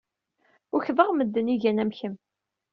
Ukḍeɣ medden ay igan am kemm.